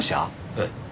ええ。